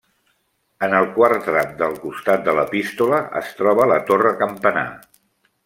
En el quart tram del costat de l'epístola es troba la torre-campanar.